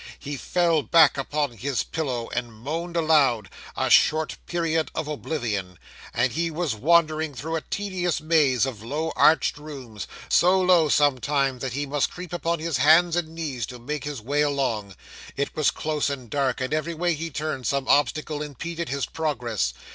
He fell back upon his pillow and moaned aloud. A short period of oblivion, and he was wandering through a tedious maze of low arched rooms so low, sometimes, that he must creep upon his hands and knees to make his way along; it was close and dark, and every way he turned, some obstacle impeded his progress.